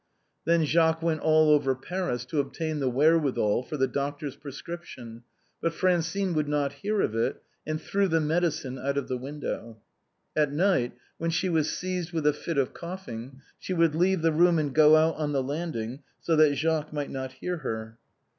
Then Jacques went all over Paris to obtain the wherewithal for the doctor's prescription, but Francine prancine's muff. 231 would not hear of it_, and threw the medicine out of the window. At night, when siie was seized with a fit of coughing, she would leave the room and go out on the landing, so that Jacques might not hear her.